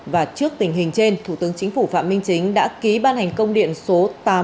và trước tình hình trên thủ tướng chính phủ phạm minh chính đã ký ban hành công điện số tám trăm tám mươi